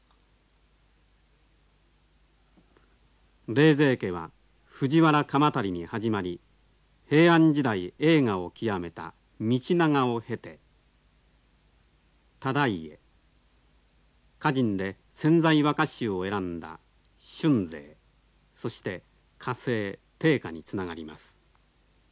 冷泉家は藤原鎌足に始まり平安時代栄華を極めた道長を経て忠家歌人で「千載和歌集」を選んだ俊成そして歌聖定家につながります。